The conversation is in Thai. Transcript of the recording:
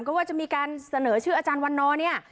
ก็ว่าจะมีการเสนอชื่ออาจารย์วันนอร์เนี่ย